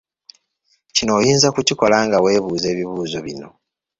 Kino oyinza okukikola nga weebuuza ebibuuzo bino.